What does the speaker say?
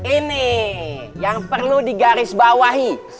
ini yang perlu digarisbawahi